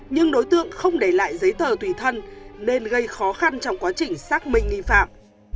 nhưng đối tượng không để lại giấy tờ tùy thân nên gây khó khăn trong quá trình xác minh nghi phạm